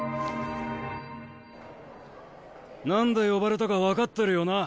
なんで呼ばれたか分かってるよな？